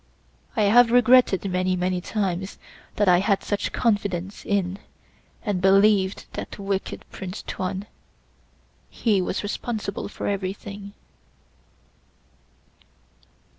I have regretted many, many times that I had such confidence in, and believed that wicked Prince Tuan; he was responsible for everything."